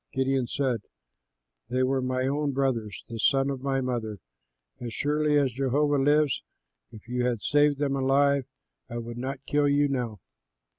Gideon said, "They were my own brothers, the sons of my mother. As surely as Jehovah lives, if you had saved them alive, I would not kill you now."